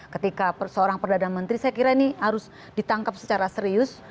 ketika seorang perdana menteri saya kira ini harus ditangkap secara serius